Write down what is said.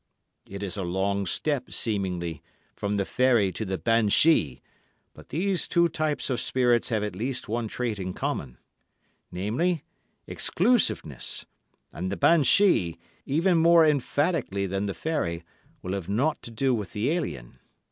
It is a long step, seemingly, from the fairy to the banshee, but these two types of spirit have at least one trait in common, namely, exclusiveness; and the banshee, even more emphatically than the fairy, will have nought to do with the alien.